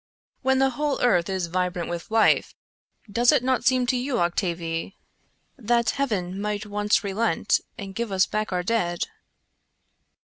When the whole earth is vibrant with life, does it not seem to you, Octavie, that heaven might for once relent and give us back our dead?"